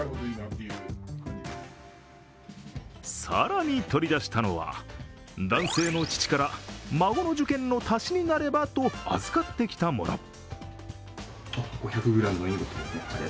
更に取り出したのは男性の父から孫の受験の足しになればと預かってきたもの。